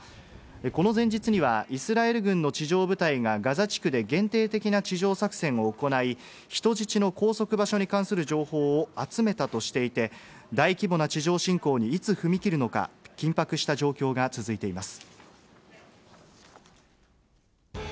この前日には、イスラエル軍の地上部隊がガザ地区で限定的な地上作戦を行い、人質の拘束場所に関する情報を集めたとしていて、大規模な地上侵攻にいつ踏み切るのか、緊迫した状況が続いています。